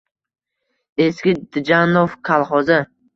Eski Jdanov kalxozi